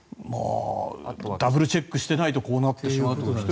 ダブルチェックしていないとこうなってしまうという。